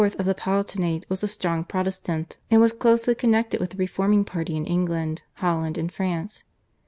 of the Palatinate was a strong Protestant, and was closely connected with the reforming party in England, Holland, and France.